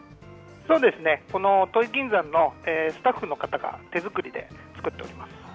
そうですね、この土肥金山のスタッフの方が手作りで作っております。